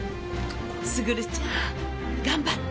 卓ちゃん頑張って。